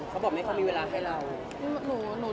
เขาบอกว่าเขามีเวลาให้เรา